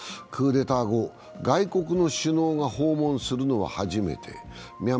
クーデター後、外国の首脳が訪問するのは初めて。